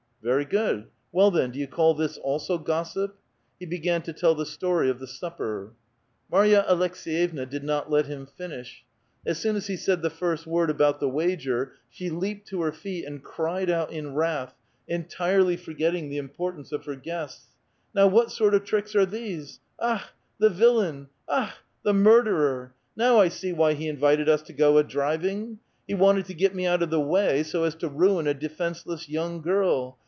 "Very good; well then, do you call this also gossip?" He began to tell the story of the supper. Mary a Aleks6yevna did not let him finish ; as soon as he said the first word about the wager, she leaped to her feet and cried out in wrath, en tirely forgetting the importance of her guests :—" Now what sort of tricks are these ! Akh! the villain ! Akh ! the murderer ! Now I see why he invited us to go a driving ! He wanted to get me out of the way so as to ruin a defenceless young girl